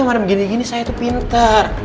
madem gini gini saya tuh pinter